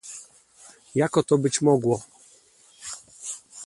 "Jako to być mogło?"